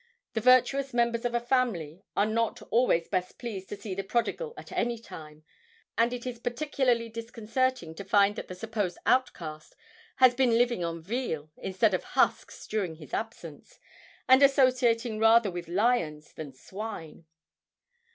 The virtuous members of a family are not always best pleased to see the prodigal at any time, and it is particularly disconcerting to find that the supposed outcast has been living on veal instead of husks during his absence, and associating rather with lions than swine.